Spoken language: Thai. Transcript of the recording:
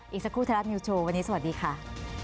อีกสักครู่ไทยรัฐนิวสโชว์วันนี้สวัสดีค่ะ